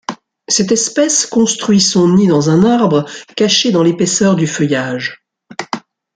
Cette espèce construit son nid dans un arbre, caché dans l'épaisseur du feuillage.